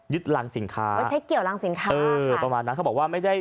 รังสินค้าไม่ใช่เกี่ยวรังสินค้าเออประมาณนั้นเขาบอกว่าไม่ได้